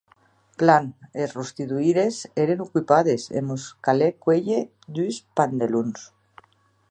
Plan, es rostidoires èren ocupades e mos calèc cuélher dus padelons.